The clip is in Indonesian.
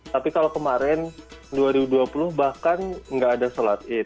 tapi kalau kemarin dua ribu dua puluh bahkan nggak ada sholat id